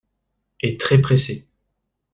Et très pressée.